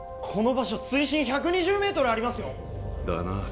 この場所水深１２０メートルありますよだな